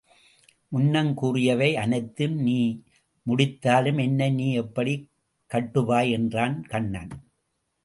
முன்னம் கூறியவை அனைத்தும் நீ முடித்தாலும் என்னை நீ எப்படிக் கட்டுவாய்? என்றான் கண்ணன்.